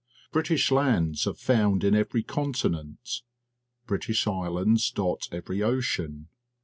British lands are found in every continent. British islands dot every ocean.